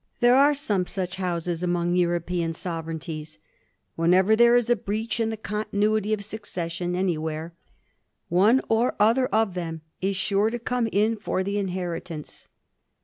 There are some such houses among European sovereignties ; whenever there is a breach in the continuity of succession any where, one or other of them is sure to come in for the inheritance.